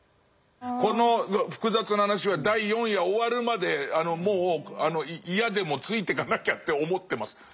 この複雑な話は第４夜終わるまでもう嫌でもついていかなきゃって思ってます。